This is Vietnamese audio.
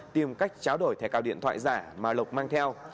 tìm cách tráo đổi thẻ cao điện thoại giả mà lộc mang theo